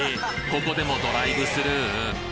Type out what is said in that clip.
ここでもドライブスルー？